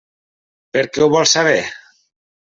Per què ho vols saber?